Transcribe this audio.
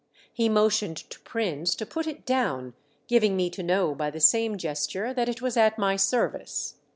He motioned to Prins to put it down, giving me to know by the same gesture that it was at my service.